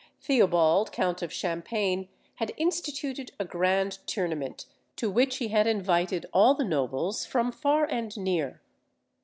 Theobald count of Champagne had instituted a grand tournament, to which he had invited all the nobles from far and near.